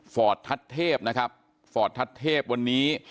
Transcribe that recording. ฟอร์ดทัศน์เทพนะครับฟอร์ดทัศน์เทพวันนี้